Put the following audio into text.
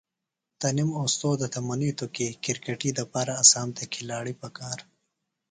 تنِم اوستوذہ تھےۡ منِیتوۡ کی کرکٹی دپارہ اسام تھےۡ کِھلاڑی پکار۔